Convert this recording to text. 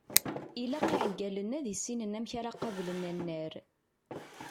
Ilaq iɛeggalen ad issinen amek ara qablen annar.